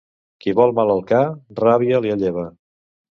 Qui vol mal al ca, ràbia li alleva.